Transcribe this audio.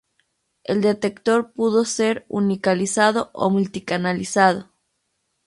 El detector puede ser uni-canalizado o multi-canalizado.